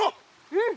うん。